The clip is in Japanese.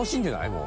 もう。